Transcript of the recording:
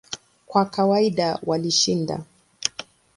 Kwa kawaida walishinda.